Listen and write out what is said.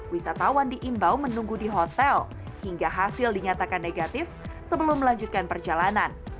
wisatawan diimbau menunggu di hotel hingga hasil dinyatakan negatif sebelum melanjutkan perjalanan